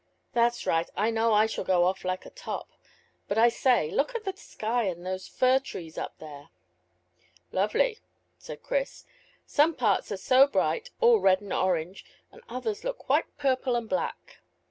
"That's right. I know I shall go off like a top. But I say, look at the sky and those fir trees up there." "Lovely," said Chris. "Some parts are so bright, all red and orange, and others look quite purple and black.